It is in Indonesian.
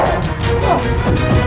ketika kanda menang kanda menang